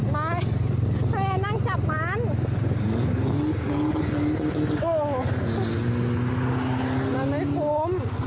ว้าวจับเลยหรอก